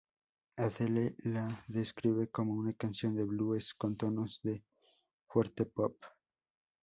Adele la describe como una "canción de blues con tonos de fuerte pop".